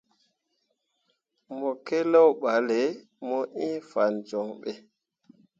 Mo keleo jolle mu ĩĩ fan joŋ ɓe.